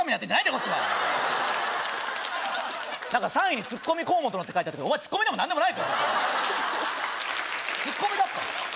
こっちは何か「３位ツッコミ河本の」って書いてあったけどお前ツッコミでも何でもないぞツッコミだったの？